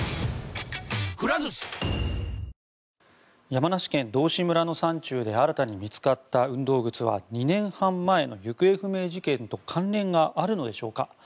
山梨県道志村の山中で新たに見つかった運動靴は２年半前の行方不明事件と関連があるのでしょうか。